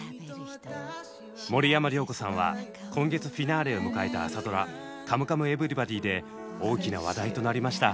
森山良子さんは今月フィナーレを迎えた朝ドラ「カムカムエヴリバディ」で大きな話題となりました。